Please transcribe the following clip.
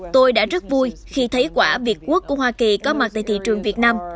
tôi đã rất vui khi thấy quả việt quốc của hoa kỳ có mặt tại thị trường việt nam